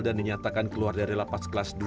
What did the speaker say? dan dinyatakan keluar dari lapas kelas dua